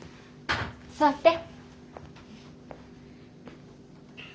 座って。